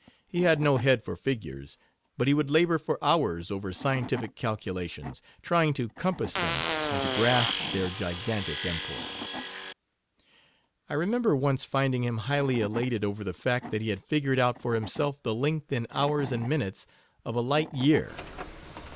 He had no head for figures, but he would labor for hours over scientific calculations, trying to compass them and to grasp their gigantic import. I remember once finding him highly elated over the fact that he had figured out for himself the length in hours and minutes of a "light year."